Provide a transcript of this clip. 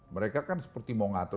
mereka kan seperti mau ngatur